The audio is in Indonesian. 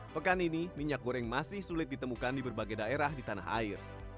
pekan ini minyak goreng masih sulit ditemukan di berbagai daerah di tanah air